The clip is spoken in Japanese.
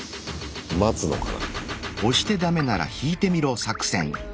待つのかな。